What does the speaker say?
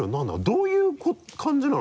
どういう感じなのかな？